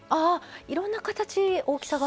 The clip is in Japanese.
いろんな形大きさが。